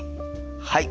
はい。